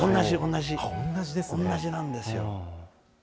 同じなんですよ。